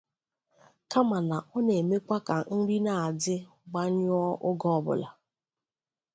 kama na ọ na-emekwa ka nri na-adị gbàànyụụ oge ọbụla